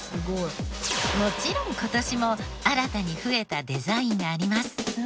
もちろん今年も新たに増えたデザインがあります。